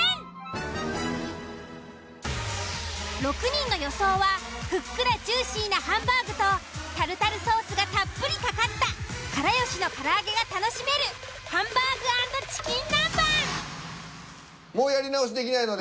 ６人の予想はふっくらジューシーなハンバーグとタルタルソースがたっぷりかかった「から好し」のから揚げが楽しめるハンバーグ＆チキン南蛮。